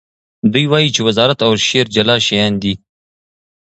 دی وایي چې وزارت او شعر جلا شیان دي.